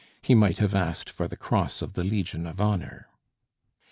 He might have asked for the cross of the Legion of honor.